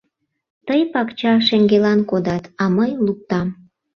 Тый пакча шеҥгелан кодат, а мый луктам.